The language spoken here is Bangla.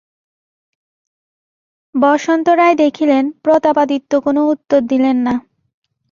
বসন্ত রায় দেখিলেন, প্রতাপাদিত্য কোনো উত্তর দিলেন না।